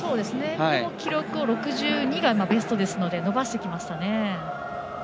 記録６ｍ６２がベストなので伸ばしてきましたね。